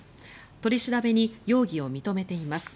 取り調べに容疑を認めています。